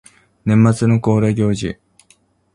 年末の恒例行事